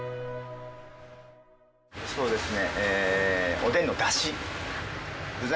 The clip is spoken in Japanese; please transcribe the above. そうですね。